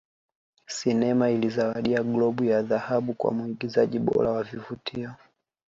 Sinema ilizawadiwa Globu ya Dhahabu Kwa Muigizaji Bora wa Vivutio